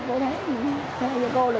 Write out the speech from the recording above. cô thấy gì